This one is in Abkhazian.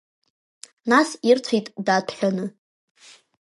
Нас ирцәеит даҭәҳәаны.